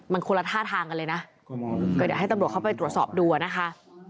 มันคนละท่าทางกันเลยนะก็เดี๋ยวให้ตำรวจเข้าไปตรวจสอบดูอ่ะนะคะ